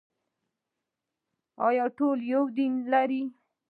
آیا ټول یو دین لري؟